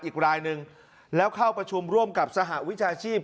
อีกรายหนึ่งแล้วเข้าประชุมร่วมกับสหวิชาชีพ